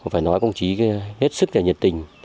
phải nói công chí hết sức nhiệt tình